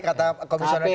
kata komisioner kpu